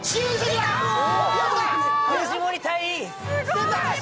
出た！